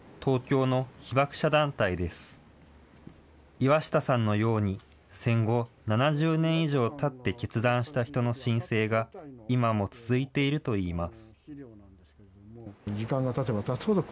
岩下さんのように、戦後７０年以上たって決断した人の申請が、今も続いているといいます。